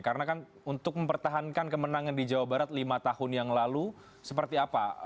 karena kan untuk mempertahankan kemenangan di jawa barat lima tahun yang lalu seperti apa